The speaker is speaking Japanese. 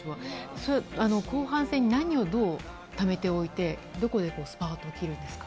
それ、後半戦に何をどうためておいて、どこでスパートを切るんですか？